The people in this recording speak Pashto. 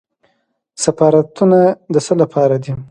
سفارتونه د څه لپاره دي؟